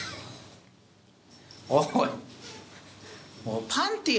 おい。